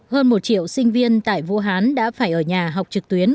hơn một triệu sinh viên tại vũ hán đã phải ở nhà học trực tuyến